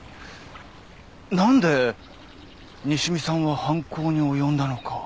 何で西見さんは犯行に及んだのか。